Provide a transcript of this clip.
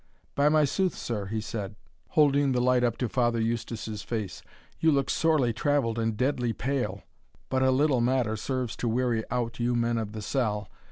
"By my sooth, sir," he said, holding the light up to Father Eustace's face, "you look sorely travelled and deadly pale but a little matter serves to weary out you men of the cell.